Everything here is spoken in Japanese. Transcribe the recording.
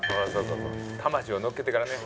魂をのっけてからね。